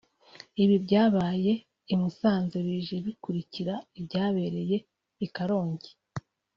Ibi byabaye i Musanze bije bikurikira ibyabereye i Karongi